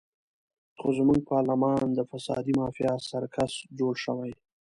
خو زموږ پارلمان د فسادي مافیا سرکس جوړ شوی.